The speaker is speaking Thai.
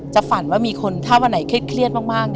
ฝันว่ามีคนถ้าวันไหนเครียดมาก